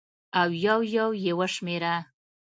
او یو یو یې وشمېره